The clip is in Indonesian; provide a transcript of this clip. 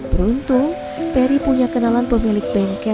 beruntung peri punya kenalan pemilik bengkel